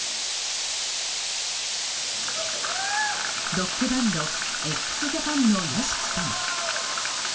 ロックバンドＸＪＡＰＡＮのＹＯＳＨＩＫＩさん。